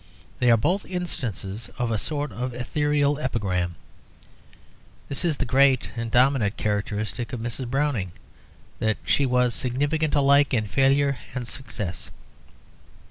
They are both instances of a sort of ethereal epigram. This is the great and dominant characteristic of Mrs. Browning, that she was significant alike in failure and success.